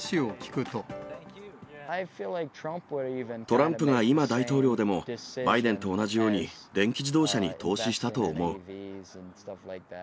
トランプが今、大統領でも、バイデンと同じように、電気自動車に投資したと思う。